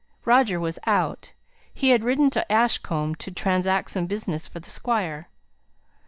Roger was out: he had ridden to Ashcombe to transact some business for the Squire.